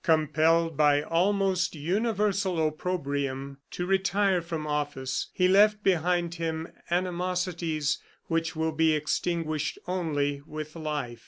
"Compelled by almost universal opprobrium to retire from office, he left behind him animosities which will be extinguished only with life."